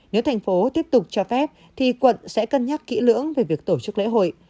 nếu thành phố tiếp tục cho phép thì quận sẽ cân nhắc kỹ lưỡng về việc tổ chức lễ hội